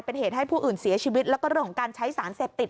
เป็นเหตุให้ผู้อื่นเสียชีวิตแล้วก็เรื่องของการใช้สารเสพติด